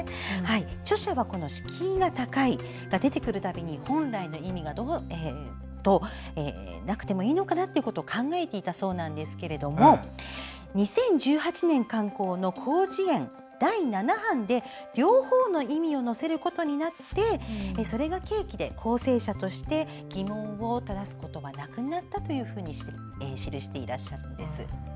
著者はこの「敷居が高い」が出てくるたびに本来の意味がなくてもいいのかなということを考えていたそうなんですが２０１８年刊行の「広辞苑」第７版で両方の意味を載せることになってそれが契機で校正者として疑問を正すことがなくなったというふうに記していらっしゃるんです。